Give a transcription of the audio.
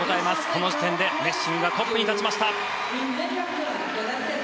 この時点で、メッシングがトップに立ちました。